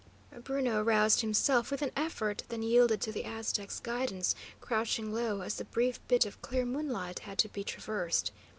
Bruno roused himself with an effort, then yielded to the Aztec's guidance, crouching low as the brief bit of clear moonlight had to be traversed.